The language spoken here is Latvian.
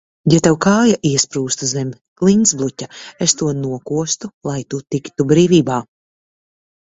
Ja tev kāja iesprūstu zem klintsbluķa, es to nokostu, lai tu tiktu brīvībā.